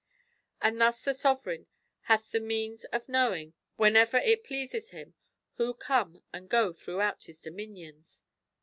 And thus the sovereign hath the means of knowing, whenever it pleases him, who C{)me and go throughout his dominions.